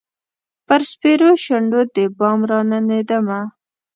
پر سپیرو شونډو د بام راننېدمه